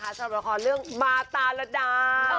สำหรับละครเรื่องบาตาระดา